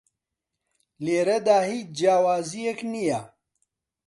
لێرەدا هیچ جیاوازییەک نییە